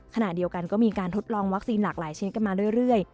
ขณะเดียวกันก็มีการทดลองวัคซีนหลากหลายชิ้นกันมาเรื่อย